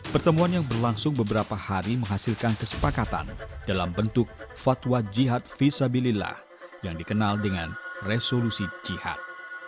pertemuan yang berlangsung beberapa hari menghasilkan kesepakatan dalam bentuk fatwa jihad visabilillah yang dikenal dengan resolusi jihad